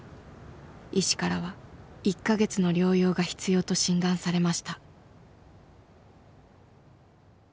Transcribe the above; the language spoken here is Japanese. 医師からは１か月の療養が必要と診断されました。